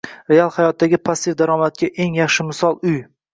Real hayotdagi passiv daromadga eng yaxshi misol uy